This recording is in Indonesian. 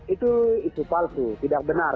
itu palsu tidak benar